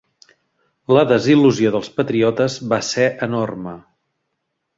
La desil·lusió dels patriotes va ser enorme.